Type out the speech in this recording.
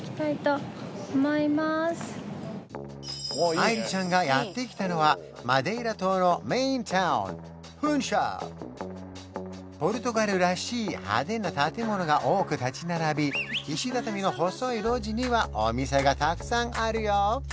あいりちゃんがやって来たのはマデイラ島のメインタウンフンシャルポルトガルらしい派手な建物が多く立ち並び石畳の細い路地にはお店がたくさんあるよ